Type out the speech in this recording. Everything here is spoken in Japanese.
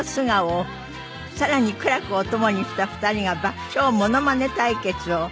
さらに苦楽を共にした２人が爆笑モノマネ対決を。